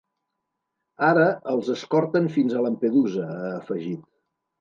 Ara els escorten fins a Lampedusa, ha afegit.